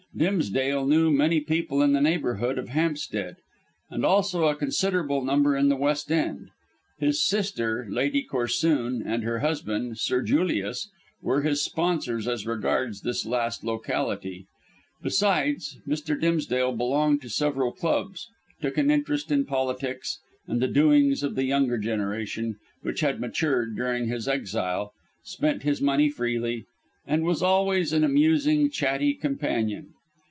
Dimsdale knew many people in the neighbourhood of Hampstead, and also a considerable number in the West End. His sister, Lady Corsoon, and her husband, Sir Julius, were his sponsors as regards this last locality. Besides, Mr. Dimsdale belonged to several clubs, took an interest in politics and the doings of the younger generation, which had matured during his exile, spent his money freely, and was always an amusing, chatty companion.